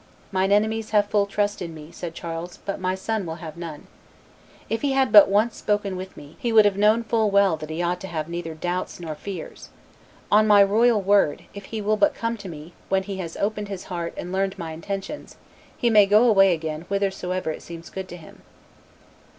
"Mine enemies have full trust in me," said Charles, "but my son will have none. If he had but once spoken with me, he would have known full well that he ought to have neither doubts nor fears. On my royal word, if he will but come to me, when he has opened his heart and learned my intentions, he may go away again whithersoever it seems good to him."